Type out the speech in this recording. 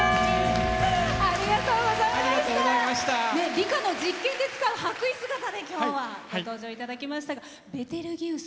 理科の実験で使う白衣姿で今日はご登場いただきましたが「ベテルギウス」